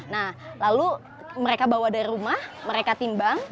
nah lalu mereka bawa dari rumah mereka timbang